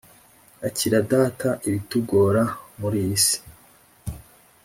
Akira data ibitugora muriyisi